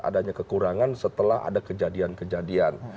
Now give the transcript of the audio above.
adanya kekurangan setelah ada kejadian kejadian